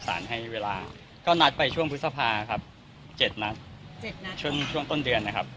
สารให้เวลาก็นัดไปช่วงพฤษภาครับเจ็ดนัดเจ็ดนัดช่วงช่วงต้นเดือนนะครับ